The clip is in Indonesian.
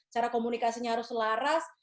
cara komunikasinya harus laras